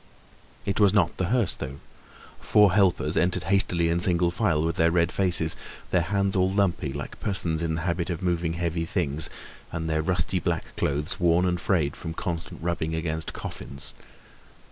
It was not the hearse though. Four helpers entered hastily in single file, with their red faces, their hands all lumpy like persons in the habit of moving heavy things, and their rusty black clothes worn and frayed from constant rubbing against coffins.